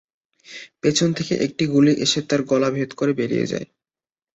পেছন থেকে একটি গুলি এসে তার গলা ভেদ করে বেরিয়ে যায়।